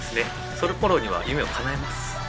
その頃には夢をかなえます。